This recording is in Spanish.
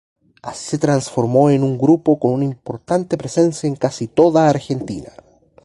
Así se transformó en un grupo con una importante presencia en casi toda Argentina.